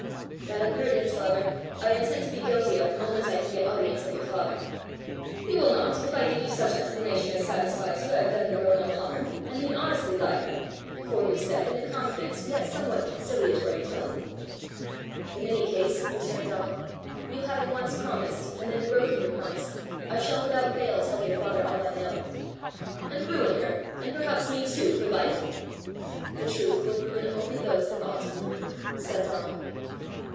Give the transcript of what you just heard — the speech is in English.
"That impertinence, however, I intend to be guilty of the moment I can get audience of your father." "You will not, if I give you such explanation as satisfies you I have done the girl no harm, and mean honestly by her!" said Forgue in a confident, yet somewhat conciliatory tone. "In any case," returned Donal, "you having once promised, and then broken your promise, I shall without fail tell your father all I know." "And ruin her, and perhaps me too, for life?" "The truth will ruin only those that ought to be ruined!" said Donal.